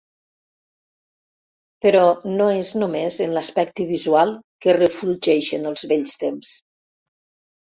Però no és només en l'aspecte visual que refulgeixen els vells temps.